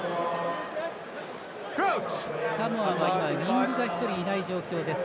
サモアはウイングが１人がいない状況です。